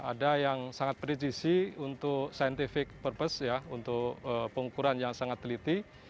ada yang sangat predisi untuk scientific purpose ya untuk pengukuran yang sangat teliti